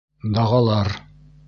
Дағалар!